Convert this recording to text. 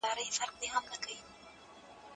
کله یو ټولنه د خپلو وګړو د زحمتونو قدر کوي؟